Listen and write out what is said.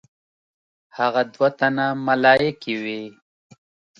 هغه دوه تنه ملایکې وې.